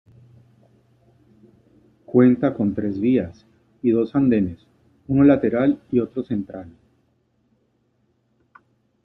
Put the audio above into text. Cuenta con tres vías, y dos andenes, uno lateral y otro central.